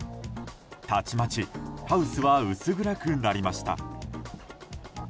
たちまちハウスは薄暗くなりました。